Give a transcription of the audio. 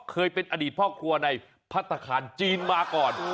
เคยเป็นอดีตพ่อครัวในพัฒนาคารจีนมาก่อน